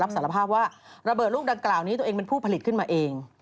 สารภาพว่าระเบิดลูกดังกล่าวนี้ตัวเองเป็นผู้ผลิตขึ้นมาเอง